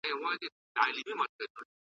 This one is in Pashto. د دنیا په هیڅ ځای کي `